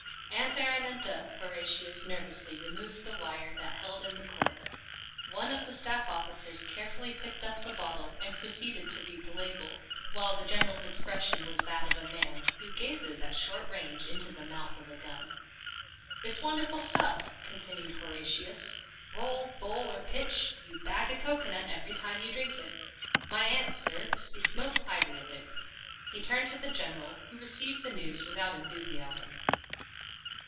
" Aunt Araminta." Horatius nervously re moved the wire that held in the cork. One of the staff officers carefully picked up the bottle and proceeded to read the label, while the General's expression was that of a man who gazes at short range into the mouth of a gun. " It's wonderful stuff," continued Hora tius. " Roll, bowl, or pitch, you bag a coco nut every time you drink it. My aunt, sir, speaks most highly of it." He turned to the General, who received the news without enthusiasm.